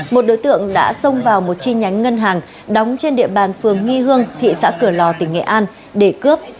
một đối tượng đã xông vào một chi nhánh ngân hàng đóng trên địa bàn phường nghi hương thị xã cửa lò tỉnh nghệ an để cướp